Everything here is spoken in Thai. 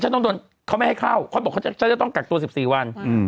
ต้องโดนเขาไม่ให้เข้าเขาบอกฉันจะต้องกักตัว๑๔วัน